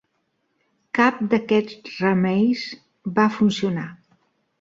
Cap d'aquests remeis va funcionar.